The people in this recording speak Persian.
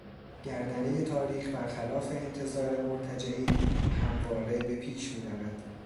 گردنهٔ تاریخ بر خلاف انتظار مرتجعین همواره به پیش میرود.